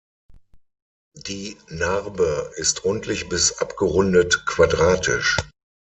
Die Narbe ist rundlich bis abgerundet-quadratisch.